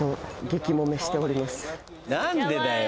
何でだよ